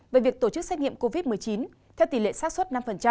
về việc tổ chức xét nghiệm covid một mươi chín theo tỷ lệ sát xuất năm